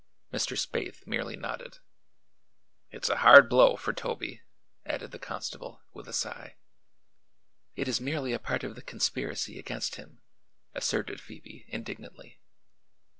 Mr. Spaythe merely nodded. "It's a hard blow for Toby," added the constable, with a sign. "It is merely a part of the conspiracy against him," asserted Phoebe indignantly.